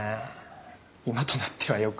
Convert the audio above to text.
今となってはよく。